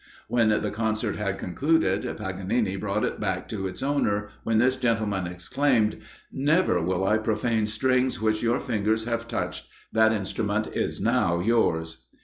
When the concert had concluded, Paganini brought it back to its owner, when this gentleman exclaimed, "Never will I profane strings which your fingers have touched; that instrument is now yours."